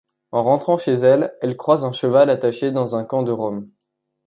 En rentrant chez elle, elle croise un cheval attaché dans un camp de Roms.